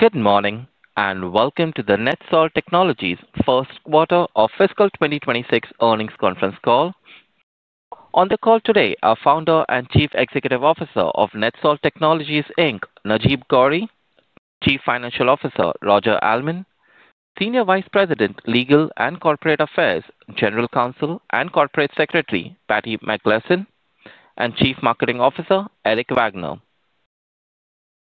Good morning, and welcome to the NetSol Technologies first quarter of fiscal 2026 earnings conference call. On the call today, our Founder and Chief Executive Officer of NetSol Technologies, Najeeb Ghauri; Chief Financial Officer, Roger Almond; Senior Vice President, Legal and Corporate Affairs, General Counsel, and Corporate Secretary, Patti McGlasson; and Chief Marketing Officer, Erik Wagner.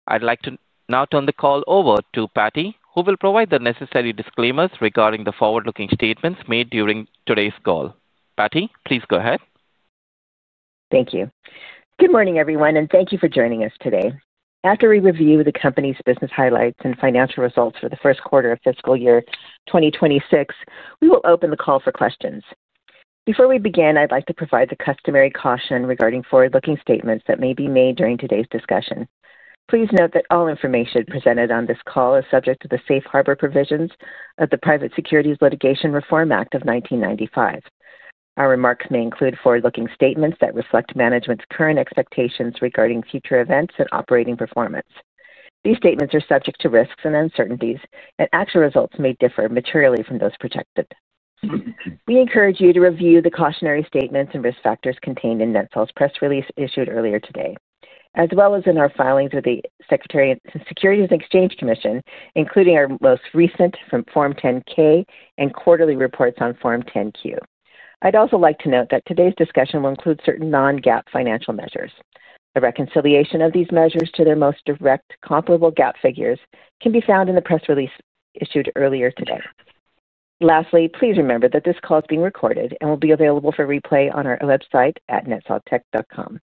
I'd like to now turn the call over to Patti, who will provide the necessary disclaimers regarding the forward-looking statements made during today's call. Patti, please go ahead. Thank you. Good morning, everyone, and thank you for joining us today. After we review the company's business highlights and financial results for the first quarter of fiscal year 2026, we will open the call for questions. Before we begin, I'd like to provide the customary caution regarding forward-looking statements that may be made during today's discussion. Please note that all information presented on this call is subject to the safe harbor provisions of the Private Securities Litigation Reform Act of 1995. Our remarks may include forward-looking statements that reflect management's current expectations regarding future events and operating performance. These statements are subject to risks and uncertainties, and actual results may differ materially from those projected. We encourage you to review the cautionary statements and risk factors contained in NetSol's press release issued earlier today, as well as in our filings with the Securities and Exchange Commission, including our most recent Form 10-K and quarterly reports on Form 10-Q. I'd also like to note that today's discussion will include certain non-GAAP financial measures. A reconciliation of these measures to their most direct comparable GAAP figures can be found in the press release issued earlier today. Lastly, please remember that this call is being recorded and will be available for replay on our website at netsoltech.com,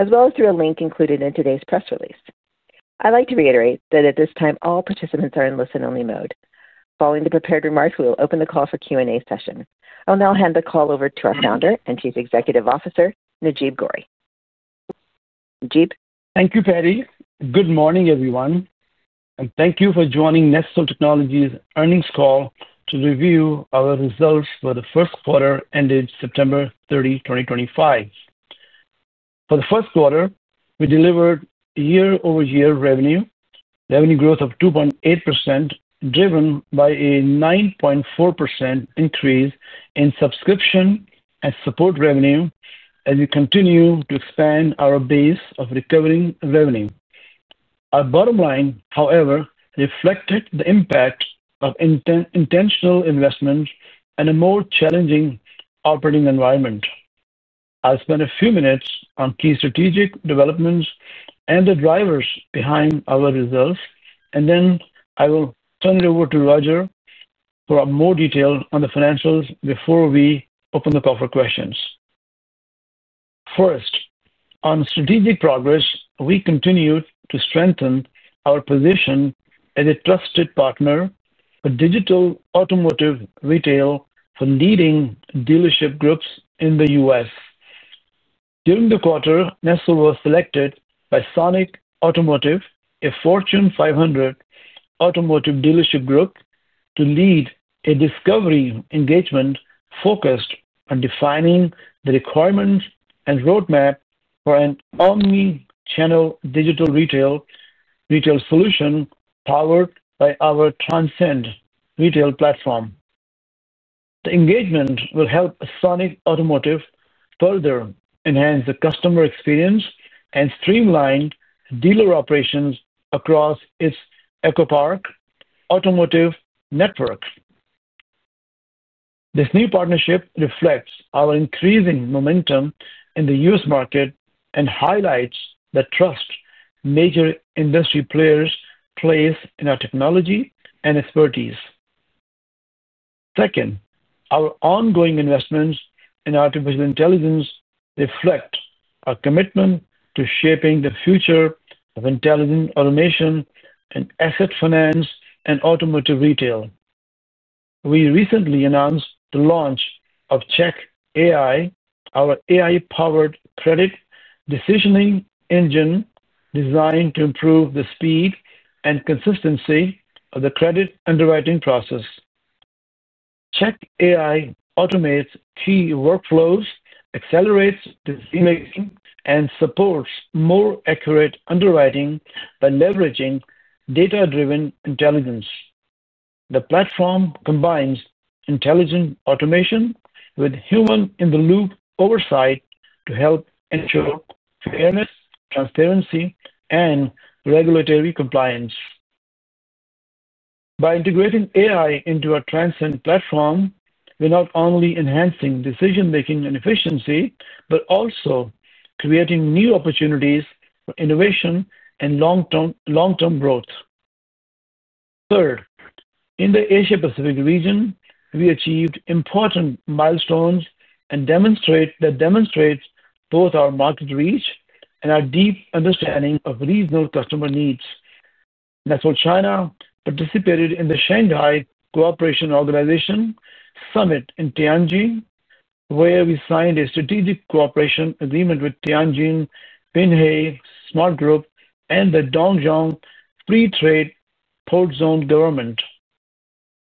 as well as through a link included in today's press release. I'd like to reiterate that at this time, all participants are in listen-only mode. Following the prepared remarks, we will open the call for Q&A session. I'll now hand the call over to our Founder and Chief Executive Officer, Najeeb Ghauri. Najeeb. Thank you, Patti. Good morning, everyone, and thank you for joining NetSol Technologies' earnings call to review our results for the first quarter ended September 30, 2025. For the first quarter, we delivered year-over-year revenue growth of 2.8%, driven by a 9.4% increase in subscription and support revenue, as we continue to expand our base of recurring revenue. Our bottom line, however, reflected the impact of intentional investment and a more challenging operating environment. I'll spend a few minutes on key strategic developments and the drivers behind our results, and then I will turn it over to Roger for more detail on the financials before we open the call for questions. First, on strategic progress, we continue to strengthen our position as a trusted partner for digital automotive retail for leading dealership groups in the U.S. During the quarter, NetSol was selected by Sonic Automotive, a Fortune 500 automotive dealership group, to lead a discovery engagement focused on defining the requirements and roadmap for an omnichannel digital retail solution powered by our Transcend retail platform. The engagement will help Sonic Automotive further enhance the customer experience and streamline dealer operations across its Echo Park automotive network. This new partnership reflects our increasing momentum in the U.S. market and highlights the trust major industry players place in our technology and expertise. Second, our ongoing investments in artificial intelligence reflect our commitment to shaping the future of intelligent automation and asset finance and automotive retail. We recently announced the launch of CheckAI, our AI-powered credit decisioning engine designed to improve the speed and consistency of the credit underwriting process. CheckAI automates key workflows, accelerates decision-making, and supports more accurate underwriting by leveraging data-driven intelligence. The platform combines intelligent automation with human-in-the-loop oversight to help ensure fairness, transparency, and regulatory compliance. By integrating AI into our Transcend platform, we're not only enhancing decision-making and efficiency but also creating new opportunities for innovation and long-term growth. Third, in the Asia-Pacific region, we achieved important milestones that demonstrate both our market reach and our deep understanding of regional customer needs. NetSol China participated in the Shanghai Cooperation Organization Summit in Tianjin, where we signed a strategic cooperation agreement with Tianjin Pinhai Smart Group and the Dongjiang Free Trade Cold Zone Government.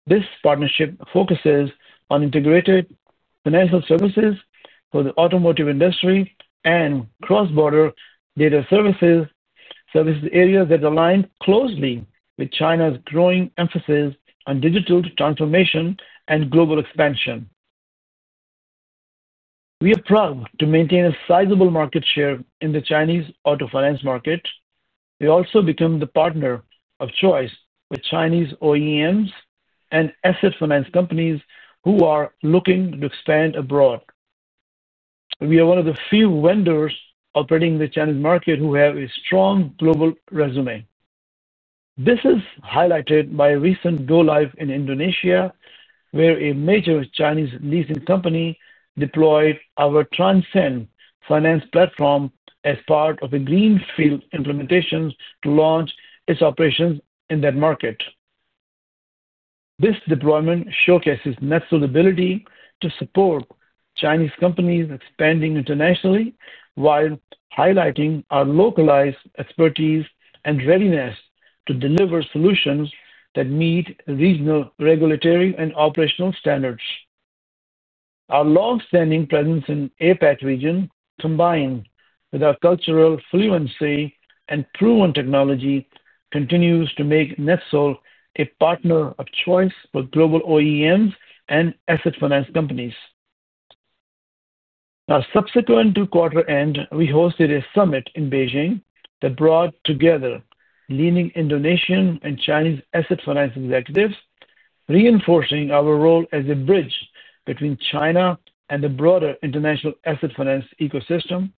This partnership focuses on integrated financial services for the automotive industry and cross-border data services, service areas that align closely with China's growing emphasis on digital transformation and global expansion. We have proved to maintain a sizable market share in the Chinese auto finance market. We also became the partner of choice with Chinese OEMs and asset finance companies who are looking to expand abroad. We are one of the few vendors operating in the Chinese market who have a strong global resume. This is highlighted by a recent go-live in Indonesia, where a major Chinese leasing company deployed our Transcend finance platform as part of a greenfield implementation to launch its operations in that market. This deployment showcases NetSol's ability to support Chinese companies expanding internationally while highlighting our localized expertise and readiness to deliver solutions that meet regional regulatory and operational standards. Our long-standing presence in the Asia-Pacific region, combined with our cultural fluency and proven technology, continues to make NetSol a partner of choice for global OEMs and asset finance companies. Our subsequent two-quarter end, we hosted a summit in Beijing that brought together leading Indonesian and Chinese asset finance executives, reinforcing our role as a bridge between China and the broader international asset finance ecosystem.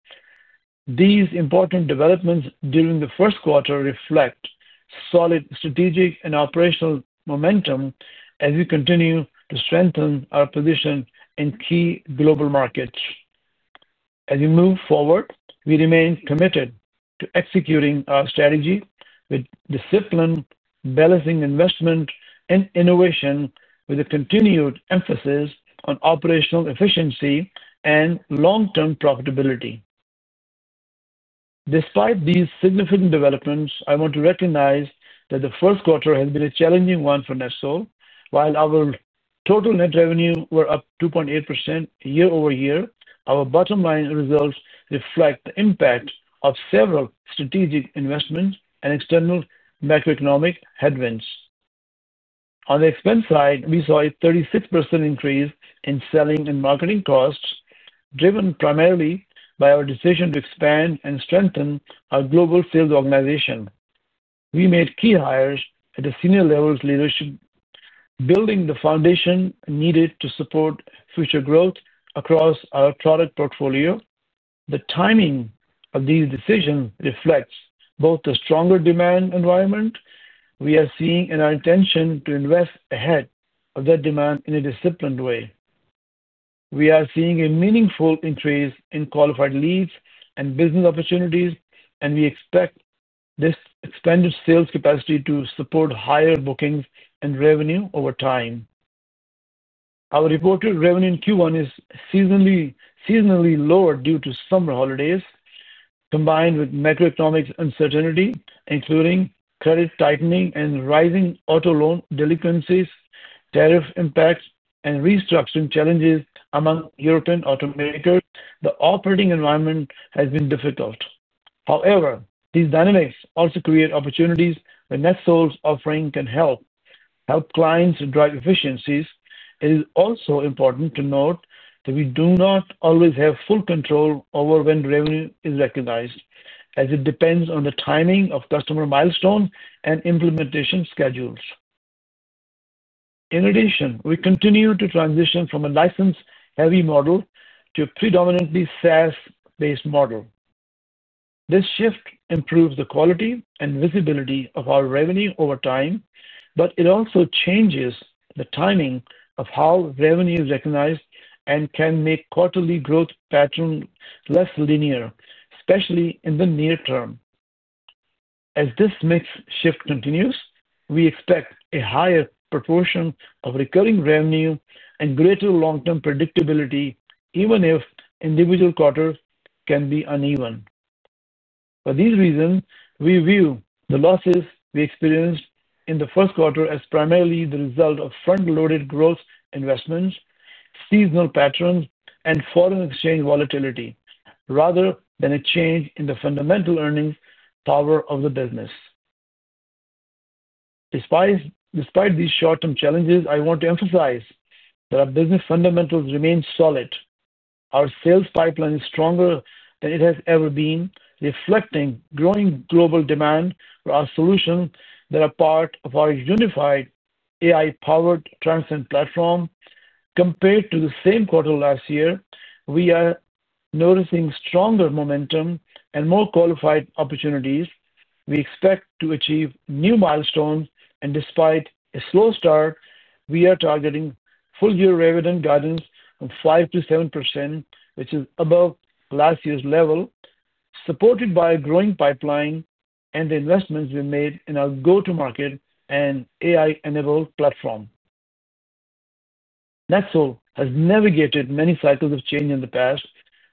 These important developments during the first quarter reflect solid strategic and operational momentum as we continue to strengthen our position in key global markets. As we move forward, we remain committed to executing our strategy with discipline, balancing investment and innovation with a continued emphasis on operational efficiency and long-term profitability. Despite these significant developments, I want to recognize that the first quarter has been a challenging one for NetSol. While our total net revenue was up 2.8% year-over-year, our bottom-line results reflect the impact of several strategic investments and external macroeconomic headwinds. On the expense side, we saw a 36% increase in selling and marketing costs, driven primarily by our decision to expand and strengthen our global sales organization. We made key hires at the senior levels of leadership, building the foundation needed to support future growth across our product portfolio. The timing of these decisions reflects both the stronger demand environment we are seeing and our intention to invest ahead of that demand in a disciplined way. We are seeing a meaningful increase in qualified leads and business opportunities, and we expect this expanded sales capacity to support higher bookings and revenue over time. Our reported revenue in Q1 is seasonally lower due to summer holidays, combined with macroeconomic uncertainty, including credit tightening and rising auto loan delinquencies, tariff impacts, and restructuring challenges among European automakers. The operating environment has been difficult. However, these dynamics also create opportunities where NetSol's offering can help clients drive efficiencies. It is also important to note that we do not always have full control over when revenue is recognized, as it depends on the timing of customer milestones and implementation schedules. In addition, we continue to transition from a license-heavy model to a predominantly SaaS-based model. This shift improves the quality and visibility of our revenue over time, but it also changes the timing of how revenue is recognized and can make quarterly growth patterns less linear, especially in the near term. As this mix shift continues, we expect a higher proportion of recurring revenue and greater long-term predictability, even if individual quarters can be uneven. For these reasons, we view the losses we experienced in the first quarter as primarily the result of front-loaded growth investments, seasonal patterns, and foreign exchange volatility, rather than a change in the fundamental earnings power of the business. Despite these short-term challenges, I want to emphasize that our business fundamentals remain solid. Our sales pipeline is stronger than it has ever been, reflecting growing global demand for our solutions that are part of our unified AI-powered Transcend platform. Compared to the same quarter last year, we are noticing stronger momentum and more qualified opportunities. We expect to achieve new milestones, and despite a slow start, we are targeting full-year revenue guidance of 5-7%, which is above last year's level, supported by a growing pipeline and the investments we made in our go-to-market and AI-enabled platform. NetSol has navigated many cycles of change in the past.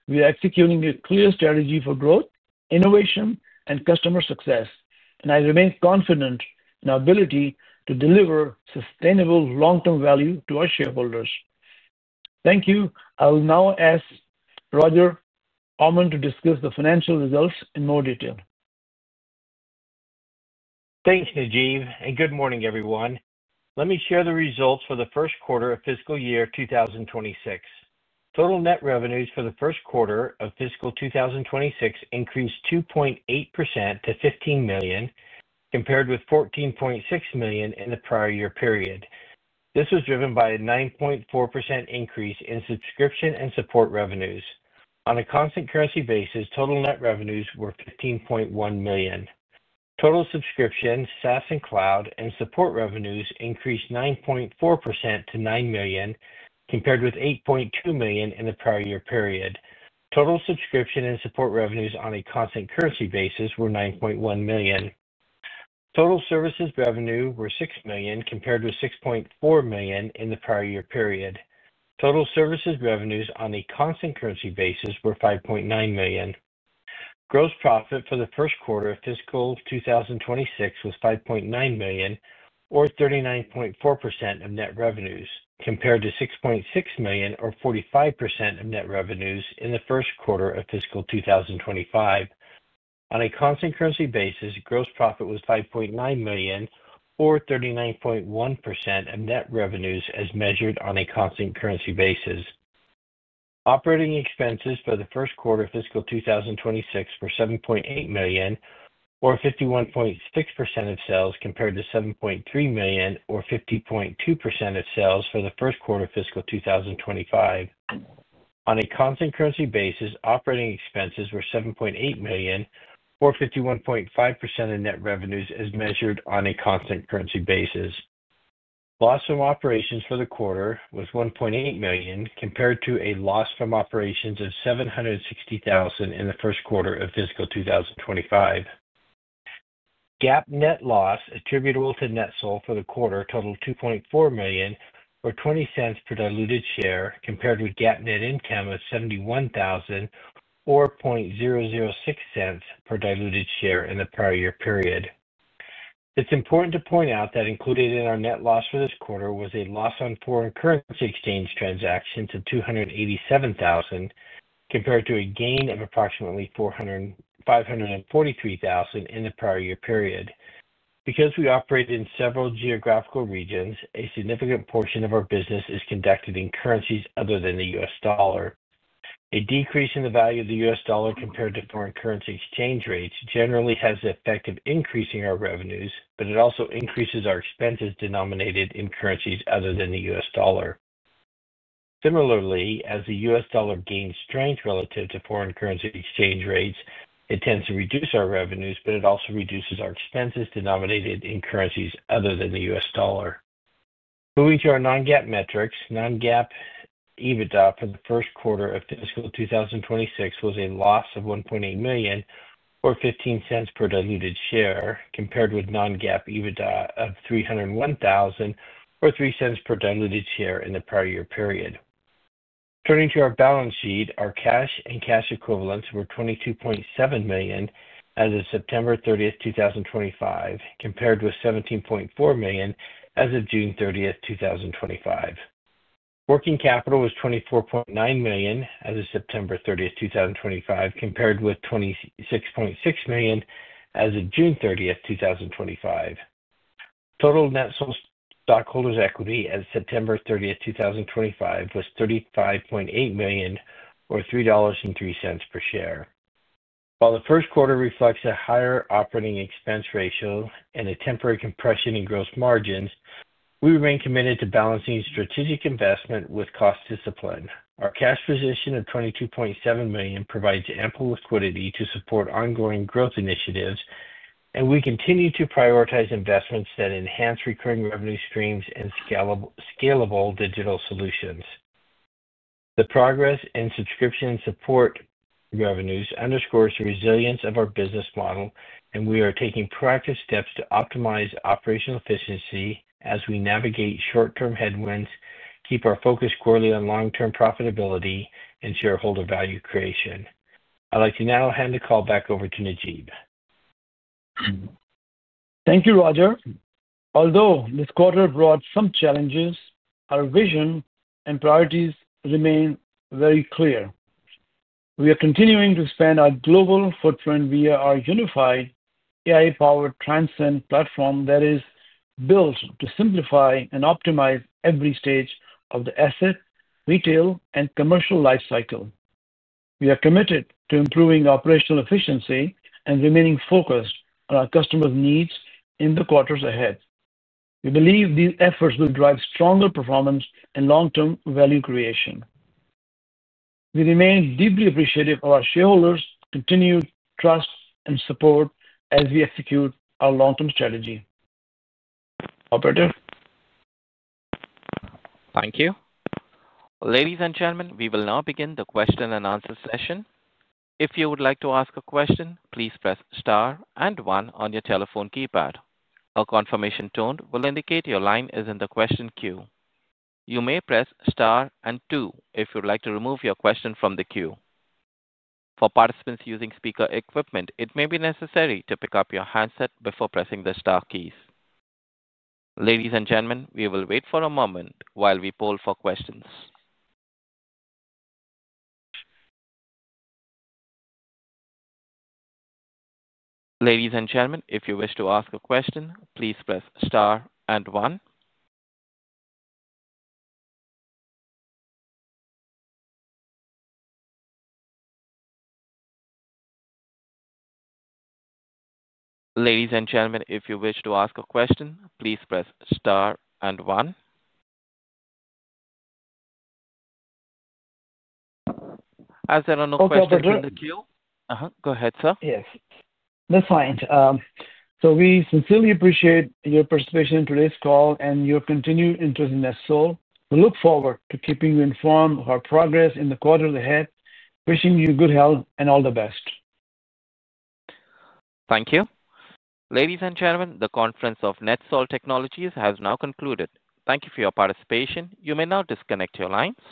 We are executing a clear strategy for growth, innovation, and customer success, and I remain confident in our ability to deliver sustainable long-term value to our shareholders. Thank you. I will now ask Roger Almond to discuss the financial results in more detail. Thanks, Najeeb, and good morning, everyone. Let me share the results for the first quarter of fiscal year 2026. Total net revenues for the first quarter of fiscal 2026 increased 2.8% to $15 million, compared with $14.6 million in the prior year period. This was driven by a 9.4% increase in subscription and support revenues. On a constant currency basis, total net revenues were $15.1 million. Total subscription, SaaS, and cloud and support revenues increased 9.4% to $9 million, compared with $8.2 million in the prior year period. Total subscription and support revenues on a constant currency basis were $9.1 million. Total services revenue were $6 million, compared with $6.4 million in the prior year period. Total services revenues on a constant currency basis were $5.9 million. Gross profit for the first quarter of fiscal 2026 was $5.9 million, or 39.4% of net revenues, compared to $6.6 million, or 45% of net revenues, in the first quarter of fiscal 2025. On a constant currency basis, gross profit was $5.9 million, or 39.1% of net revenues as measured on a constant currency basis. Operating expenses for the first quarter of fiscal 2026 were $7.8 million, or 51.6% of sales, compared to $7.3 million, or 50.2% of sales, for the first quarter of fiscal 2025. On a constant currency basis, operating expenses were $7.8 million, or 51.5% of net revenues as measured on a constant currency basis. Loss from operations for the quarter was $1.8 million, compared to a loss from operations of $760,000 in the first quarter of fiscal 2025. GAAP net loss attributable to NetSol for the quarter totaled $2.4 million, or $0.20 per diluted share, compared with GAAP net income of $71,000, or $0.006 per diluted share, in the prior year period. It's important to point out that included in our net loss for this quarter was a loss on foreign currency exchange transactions of $287,000, compared to a gain of approximately $543,000 in the prior year period. Because we operate in several geographical regions, a significant portion of our business is conducted in currencies other than the U.S. dollar. A decrease in the value of the U.S. dollar compared to foreign currency exchange rates generally has the effect of increasing our revenues, but it also increases our expenses denominated in currencies other than the U.S. dollar. Similarly, as the U.S. dollar gains strength relative to foreign currency exchange rates, it tends to reduce our revenues, but it also reduces our expenses denominated in currencies other than the U.S. dollar. Moving to our non-GAAP metrics, non-GAAP EBITDA for the first quarter of fiscal 2026 was a loss of $1.8 million, or $0.15 per diluted share, compared with non-GAAP EBITDA of $301,000, or $0.03 per diluted share, in the prior year period. Turning to our balance sheet, our cash and cash equivalents were $22.7 million as of September 30, 2025, compared with $17.4 million as of June 30, 2025. Working capital was $24.9 million as of September 30, 2025, compared with $26.6 million as of June 30, 2025. Total NetSol stockholders' equity as of September 30, 2025, was $35.8 million, or $3.03 per share. While the first quarter reflects a higher operating expense ratio and a temporary compression in gross margins, we remain committed to balancing strategic investment with cost discipline. Our cash position of $22.7 million provides ample liquidity to support ongoing growth initiatives, and we continue to prioritize investments that enhance recurring revenue streams and scalable digital solutions. The progress in subscription and support revenues underscores the resilience of our business model, and we are taking proactive steps to optimize operational efficiency as we navigate short-term headwinds, keep our focus squarely on long-term profitability, and shareholder value creation. I'd like to now hand the call back over to Najeeb. Thank you, Roger. Although this quarter brought some challenges, our vision and priorities remain very clear. We are continuing to expand our global footprint via our unified AI-powered Transcend platform that is built to simplify and optimize every stage of the asset, retail, and commercial lifecycle. We are committed to improving operational efficiency and remaining focused on our customers' needs in the quarters ahead. We believe these efforts will drive stronger performance and long-term value creation. We remain deeply appreciative of our shareholders' continued trust and support as we execute our long-term strategy. Operator. Thank you. Ladies and gentlemen, we will now begin the question-and-answer session. If you would like to ask a question, please press star and one on your telephone keypad. A confirmation tone will indicate your line is in the question queue. You may press star and two if you'd like to remove your question from the queue. For participants using speaker equipment, it may be necessary to pick up your handset before pressing the star keys. Ladies and gentlemen, we will wait for a moment while we poll for questions. Ladies and gentlemen, if you wish to ask a question, please press star and one. As there are no questions in the queue. Okay, Roger. Go ahead, sir. Yes. That's fine. We sincerely appreciate your participation in today's call and your continued interest in NetSol. We look forward to keeping you informed of our progress in the quarter ahead, wishing you good health and all the best. Thank you. Ladies and gentlemen, the conference of NetSol Technologies has now concluded. Thank you for your participation. You may now disconnect your lines.